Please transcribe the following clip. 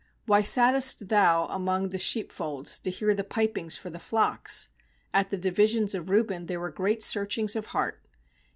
16Why sattest thou among the sheep folds, To hear the pipings for the flocks? At the divisions of Reuben There were great searchings of heart.